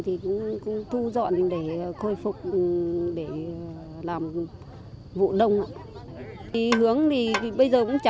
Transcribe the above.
thì cũng thu dọn để khôi phục